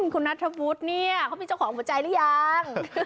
คุณณัฐบุตรก็เป็นเจ้าของหัวใจหรือยัง